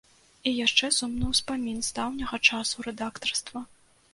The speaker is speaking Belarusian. І яшчэ сумны ўспамін з даўняга часу рэдактарства.